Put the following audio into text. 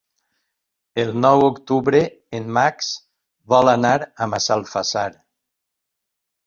El nou d'octubre en Max vol anar a Massalfassar.